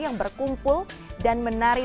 yang berkumpul dan menari